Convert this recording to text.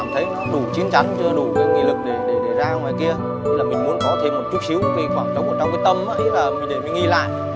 thì là mình muốn có thêm một chút xíu cái khoảng trống trong cái tâm ý là mình để mình nghi lại